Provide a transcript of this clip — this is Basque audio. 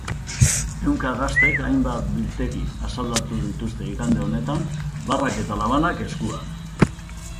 Ehunka gaztek hainbat biltegi asaldatu dituzte igande honetan, barrak eta labanak eskuan.